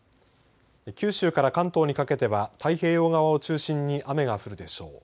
九州から関東にかけては太平洋側を中心に雨が降るでしょう。